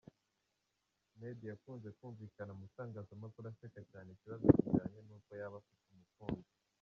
Medd yakunze kumvikana mu itangazamakuru aseka cyane ikibazo cyijyanye n’uko yaba afite umukunzi.